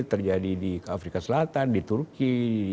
terjadi di afrika selatan di turki